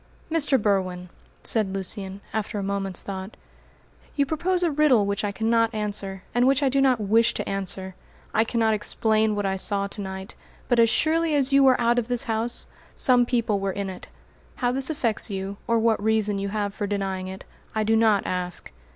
"Mr. Berwin," said Lucian, after a moment's thought, "you propose a riddle which I cannot answer, and which I do not wish to answer. I cannot explain what I saw to night, but as surely as you were out of this house, some people were in it. How this affects you, or what reason you have for denying it, I do not ask.